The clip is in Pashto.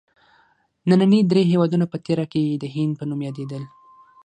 ننني درې هېوادونه په تېر کې د هند په نوم یادیدل.